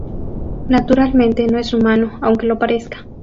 Naturalmente, no es humano, aunque lo parezca.